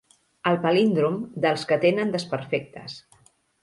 El palíndrom dels que tenen desperfectes.